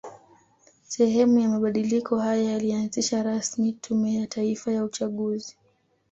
Sehemu ya mabadiliko haya yalianzisha rasmi Tume ya Taifa ya Uchaguzi